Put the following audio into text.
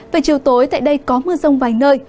về chiều tối tại đây có mưa rông vài nơi